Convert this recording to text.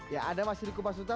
ya ada mas riku mas suta